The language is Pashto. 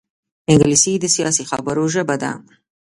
انګلیسي د سیاسي خبرو ژبه ده